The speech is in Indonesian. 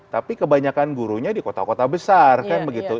tapi kebanyakan gurunya di kota kota besar kan begitu